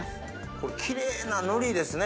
これキレイなのりですね